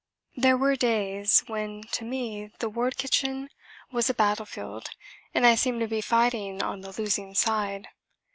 There were days when the ward kitchen was to me a battlefield and I seemed to be fighting on the losing side.